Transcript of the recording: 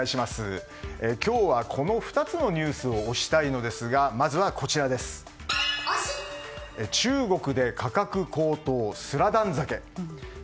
今日は、この２つのニュースを推したいのですがまずは中国で価格高騰スラダン酒です。